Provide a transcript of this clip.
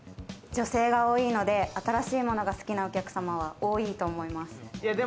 女性が多いので、新しいものが好きなお客様は多いと思います。